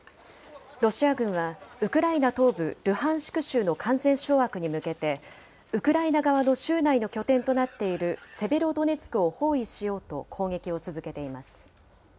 ロシア軍はウクライナ東部ルハンシク州の完全掌握に向けて、ウクライナ側の州内の拠点となっているセベロドネツクを包囲しようと攻撃を続けています。